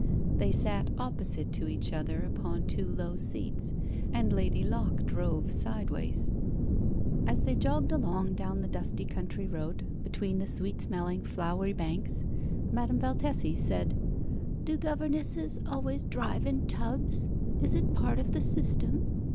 They sat opposite to each other upon two low seats, and Lady Locke drove sideways. As they jogged along down the dusty country road, between the sweet smelling flowery banks, Madame Valtesi said "Do governesses always drive in tubs? Is it part of the system?"